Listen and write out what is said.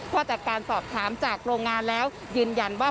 เพราะจากการสอบถามจากโรงงานแล้วยืนยันว่า